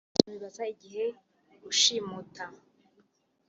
Abantu bibaza igihe gushimuta